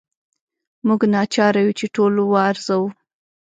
موږ ناچاره یو چې ټول وارزوو.